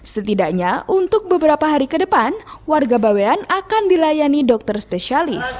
setidaknya untuk beberapa hari ke depan warga bawean akan dilayani dokter spesialis